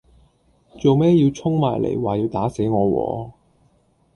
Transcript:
做咩要衝埋嚟話要打死我喎